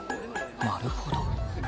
なるほど。